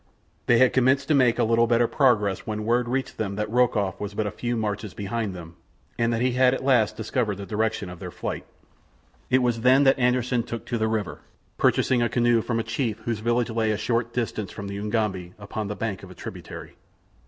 They had commenced to make a little better progress when word reached them that Rokoff was but a few marches behind them, and that he had at last discovered the direction of their flight. It was then that Anderssen took to the river, purchasing a canoe from a chief whose village lay a short distance from the Ugambi upon the bank of a tributary.